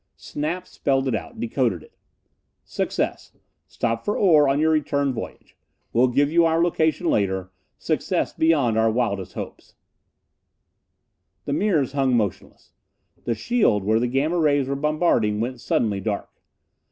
Snap spelled it out, decoded it. "_Success! Stop for ore on your return voyage. Will give you our location later. Success beyond wildest hopes _" The mirrors hung motionless. The shield, where the Gamma rays were bombarding, went suddenly dark.